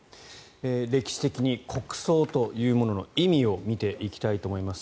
歴史的に国葬というものの意味を見ていきたいと思います。